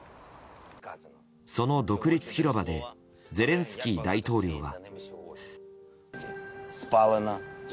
その独立広場でゼレンスキー大統領は。